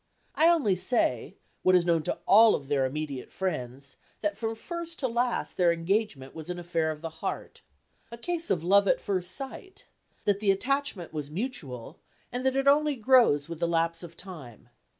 I only say, what is known to all of their immediate friends, that from first to last their engagement was an affair of the heart a case of "love at first sight" that the attachment was mutual, and that it only grows with the lapse of time.